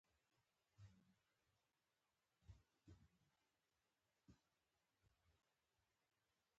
پوهنځی مو څو کاله ده؟